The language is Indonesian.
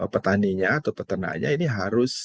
petaninya atau peternaknya ini harus